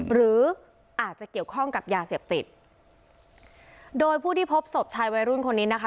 หรืออาจจะเกี่ยวข้องกับยาเสพติดโดยผู้ที่พบศพชายวัยรุ่นคนนี้นะคะ